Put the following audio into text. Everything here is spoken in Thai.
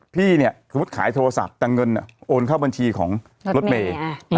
พี่ขายโทรศัพท์แต่เงินโอนเข้าบัญชีของรถเมย์